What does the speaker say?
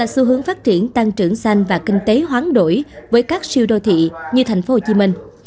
một sư hướng phát triển tăng trưởng xanh và kinh tế hoán đổi với các siêu đô thị như tp hcm